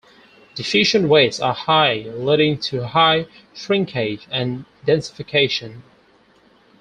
Diffusion rates are high leading to high shrinkage and densification.